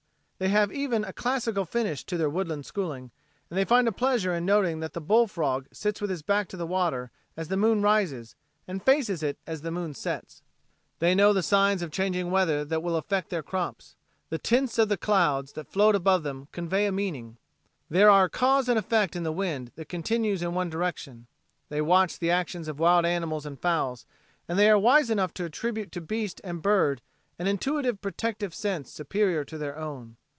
They have even a classical finish to their woodland schooling and they find a pleasure in noting that the bullfrog sits with his back to the water as the moon rises and faces it as the moon sets. They know the signs of changing weather that will affect their crops. The tints of the clouds that float above them convey a meaning. There are cause and effect in the wind that continues in one direction. They watch the actions of wild animals and fowls, and they are wise enough to attribute to beast and bird an intuitive protective sense superior to their own.